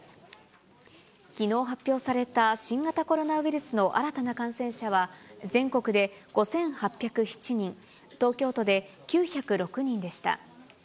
きのう発表された新型コロナウイルスの新たな感染者は、全国で５８０７人、東京都で９０６人でした。